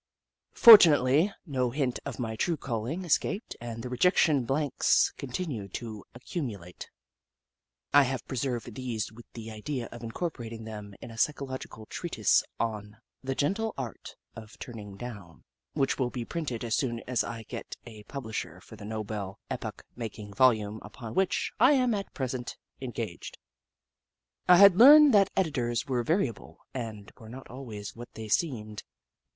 Fortunately, no hint of my true calling es caped, and the rejection blanks continued to accumulate. I have preserved these with the idea of incorporating them in a psychological treatise on TJie Gentle Art of Turning Down, which will be printed as soon as I get a pub lisher for the noble, epoch making volume upon which I am at present engaged. I had learned that editors were variable, and were not always what they seemed.